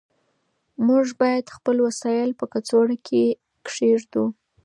موږ باید خپل وسایل په کڅوړه کې کېږدو.